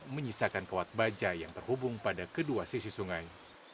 menyisakan kawat baja yang terhubung pada kedua sisi sungai